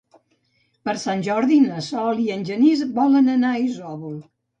Per Sant Jordi na Sol i en Genís volen anar a Isòvol.